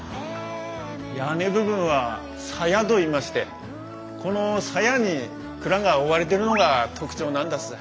屋根部分は鞘といいましてこの鞘に蔵が覆われてるのが特徴なんだす。